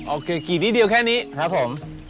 โอเคขีดนิดเดียวแค่นี้ครับผม